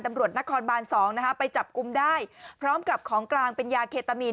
ตำรวจนครบาน๒นะคะไปจับกลุ่มได้พร้อมกับของกลางเป็นยาเคตามีน